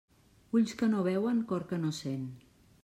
Ulls que no veuen, cor que no sent.